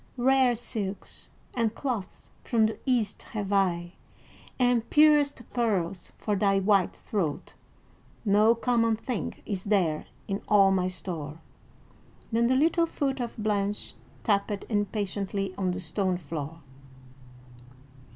"Rare silks and cloths from the East have I, and purest pearls, for thy white throat. No common thing is there in all my store." Then the little foot of Blanche tapped impatiently on the stone floor.